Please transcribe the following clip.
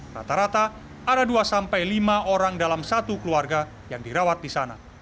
rata rata ada dua sampai lima orang dalam satu keluarga yang dirawat di sana